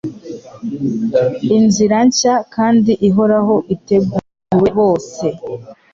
Inzira nshya kandi ihoraho iteguriwe bose.